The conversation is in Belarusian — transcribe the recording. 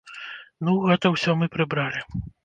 Ну, гэта ўсё мы прыбралі.